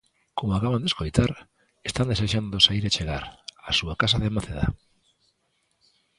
Como acaban de escoitar están desexando saír e chegar á súa casa de Maceda.